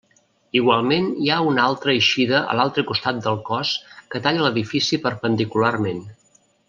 Igualment hi ha una altra eixida a l'altre costat del cos que talla l'edifici perpendicularment.